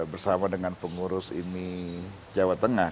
bersama dengan pengurus imi jawa tengah